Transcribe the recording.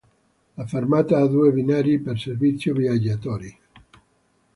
La fermata ha due binari per servizio viaggiatori.